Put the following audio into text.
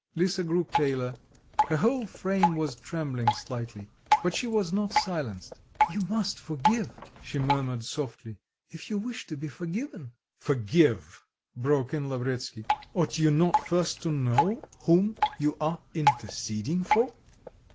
Lisa grew paler: her whole frame was trembling slightly; but she was not silenced. "You must forgive," she murmured softly, "if you wish to be forgiven." "Forgive!" broke in Lavretsky. "Ought you not first to know whom you are interceding for?